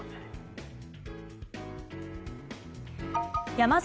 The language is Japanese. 山崎